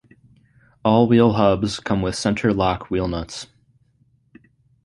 All wheel hubs come with centre-lock wheel nuts.